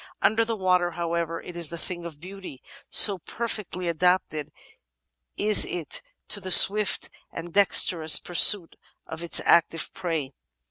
Under the water, however, it is a thing of beauty, so perfectly adapted is it to the swift and dexterous pur suit of its active prey.